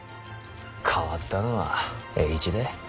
変わったのは栄一だ。